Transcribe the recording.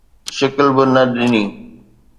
شڪل به نه ڏٺي